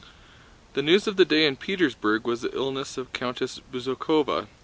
The news of the day in Petersburg was the illness of Countess Bezúkhova.